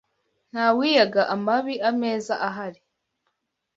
Ntawiyaga amabi ameza ahari